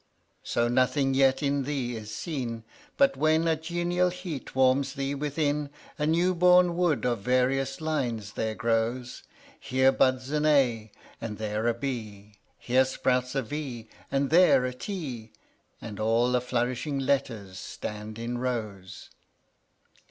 So, nothing yet in thee is seen, But, when a genial heat warms thee within, A new born wood of various lines there grows; Here buds an A, and there a B, Here sprouts a V, and there a T, And all the flourishing letters stand in rows.